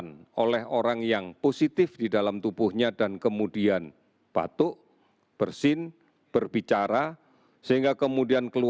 kita tidak akanrated untuk reimbahkan kesehatan kita